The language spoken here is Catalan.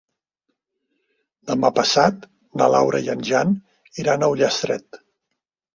Demà passat na Laura i en Jan iran a Ullastret.